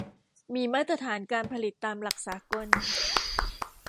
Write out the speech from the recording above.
มีมาตรฐานการผลิตตามหลักสากล